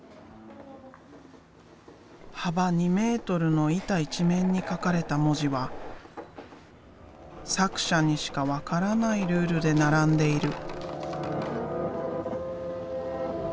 幅２メートルの板一面に描かれた文字は作者にしか分からないルールで並んでいる。